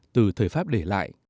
từ thời pháp để lại